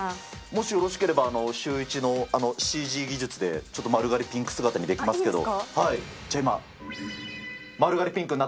もしよろしければ、シューイチのＣＧ技術で、ちょっと丸刈りピンク姿にできますけど。